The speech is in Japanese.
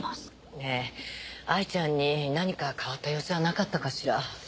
ねぇ藍ちゃんに何か変わった様子はなかったかしら？